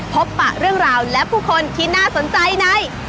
ปะเรื่องราวและผู้คนที่น่าสนใจใน